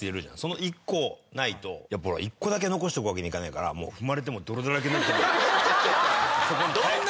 その１個ないと１個だけ残しとくわけにいかないから踏まれても泥だらけになっても。